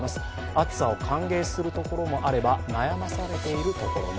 暑さを歓迎するところもあれば、悩まされているところも。